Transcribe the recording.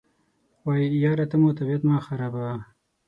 وایي یاره ته مو طبیعت مه راخرابوه.